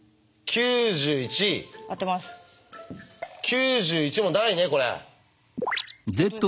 ９１もないねこれ。